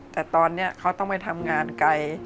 แต่ตอนนี้เขาต้องไปทำงานไกล